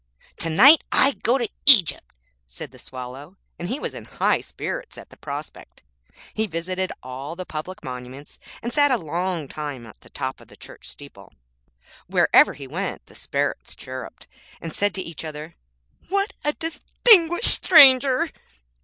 'To night I go to Egypt,' said the Swallow, and he was in high spirits at the prospect. He visited all the public monuments, and sat a long time on top of the church steeple. Wherever he went the Sparrows chirruped, and said to each other, 'What a distinguished stranger!'